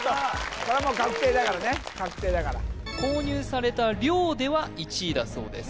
これはもう確定だからね確定だから購入された量では１位だそうです